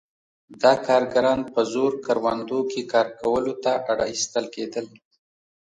دا کارګران په زور کروندو کې کار کولو ته اړ ایستل کېدل.